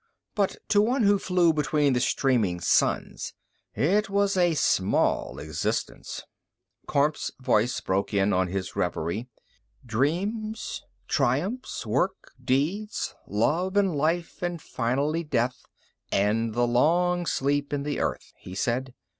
But to one who flew between the streaming suns, it was a small existence. Kormt's voice broke in on his reverie. "Dreams, triumphs, work, deeds, love and life and finally death and the long sleep in the earth," he said.